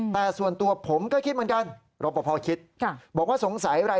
แต่ส่วนตัวผมก็คิดเหมือนกันรอปภคิดบอกว่าสงสัยอะไร